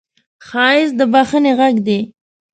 ښایست د بښنې غږ دی